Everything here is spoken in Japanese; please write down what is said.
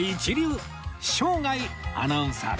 生涯アナウンサーですね